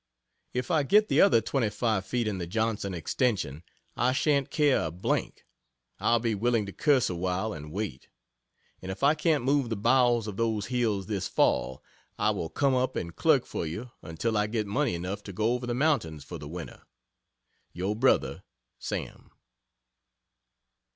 If I get the other 25 feet in the Johnson ex., I shan't care a d n. I'll be willing to curse awhile and wait. And if I can't move the bowels of those hills this fall, I will come up and clerk for you until I get money enough to go over the mountains for the winter. Yr. Bro. SAM.